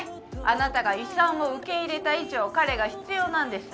あなたが遺産を受け入れた以上彼が必要なんです。